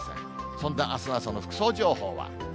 そんなあすの朝の服装情報は。